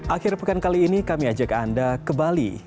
akhir pekan kali ini kami ajak anda ke bali